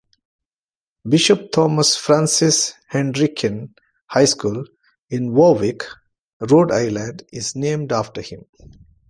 Bishop Thomas Francis Hendricken High School in Warwick, Rhode Island is named after him.